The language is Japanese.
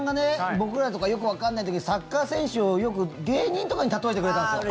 僕らとかよくわかんない時にサッカー選手を、よく芸人とかに例えてくれたんですよ。